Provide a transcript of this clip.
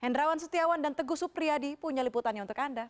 hendrawan setiawan dan teguh supriyadi punya liputannya untuk anda